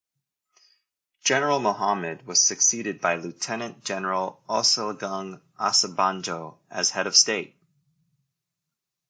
General Mohammed was succeeded by Lieutenant General Olusegun Obasanjo as head of state.